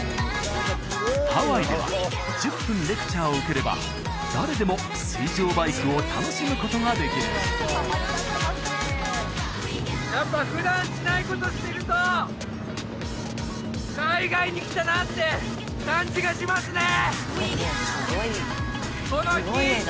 ハワイでは１０分レクチャーを受ければ誰でも水上バイクを楽しむことができるやっぱ普段しないことしてると海外に来たなって感じがしますね！